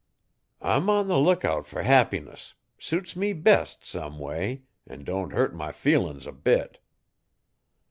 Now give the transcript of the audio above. I'm on the lookout fer happiness suits me best, someway, an don't hurt my feelin's a bit.